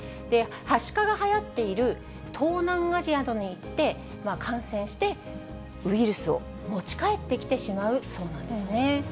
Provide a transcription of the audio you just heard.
はしかがはやっている東南アジアなどに行って感染して、ウイルスを持ち帰ってきてしまうそうなんですね。